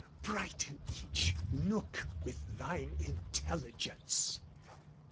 "Brighten each nook with thine intelligence!